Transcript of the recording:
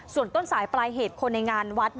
ส่วนต้นสายปลายเหตุคนในงานวัด